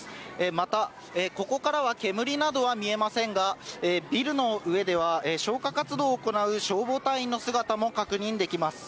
また、ここからは煙などは見えませんが、ビルの上では消火活動を行う消防隊員の姿も確認できます。